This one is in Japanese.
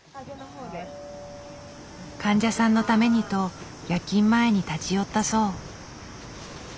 患者さんのためにと夜勤前に立ち寄ったそう。